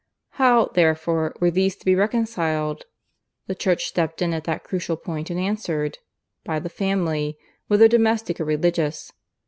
How therefore were these to be reconciled? The Church stepped in at that crucial point and answered, By the Family whether domestic or Religious.